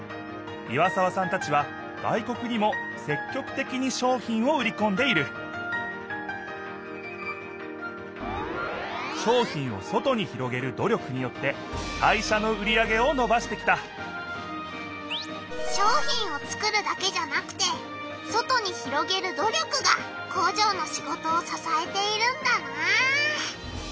岩沢さんたちは外国にもせっきょくてきに商品を売りこんでいる商品を外に広げる努力によって会社の売り上げをのばしてきた商品を作るだけじゃなくて外に広げる努力が工場の仕事をささえているんだな。